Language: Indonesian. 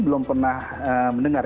belum pernah mendengar